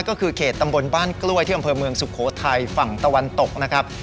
ก็คือเขตตำบลบ้านกล้วยที่อำเภอเมืองสุโขทัยฝั่งตะวันตกนะครับ